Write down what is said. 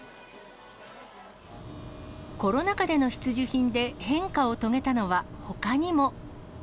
コロナ禍での必需品で変化を遂げたのはほかにも。